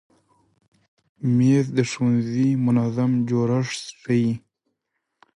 مېز د ښوونځي منظم جوړښت ښیي.